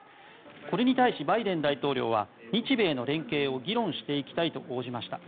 これに対しバイデン大統領は日米の同盟を議論していきたいと応じました。